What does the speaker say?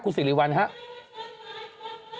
คุณศิริวัณฐ์ครับ